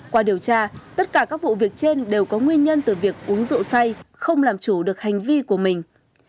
qua điều tra tất cả các vụ việc trên đều có nguyên nhân từ việc uống rượu say không làm chủ được hành vi của mình